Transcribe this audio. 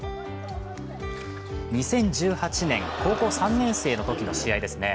２０１８年高校３年生のときの試合ですね。